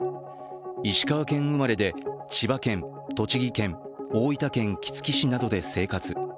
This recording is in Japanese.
石川県生まれで千葉県、栃木県、大分県杵築市などで生活。